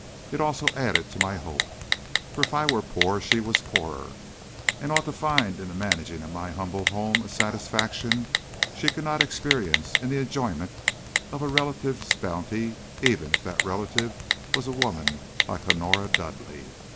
It also added to my hope. For if I were poor, she was poorer, and ought to find in the managing of my humble home a satisfaction she could not experience in the enjoyment of a relative's bounty, even if that relative was a woman like Honora Dudleigh.